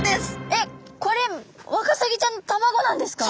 えっこれワカサギちゃんの卵なんですか？